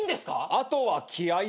あとは気合だ。